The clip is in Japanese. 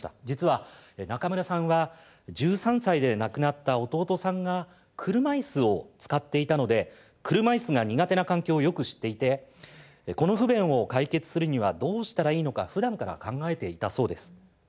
実は中村さんは１３歳で亡くなった弟さんが車いすを使っていたので車いすが苦手な環境をよく知っていてこの不便を解決するにはどうしたらいいのかふだんから考えていたそうです。